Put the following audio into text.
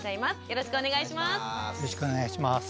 よろしくお願いします。